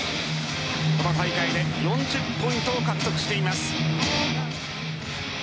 この大会で４０ポイントを獲得しています。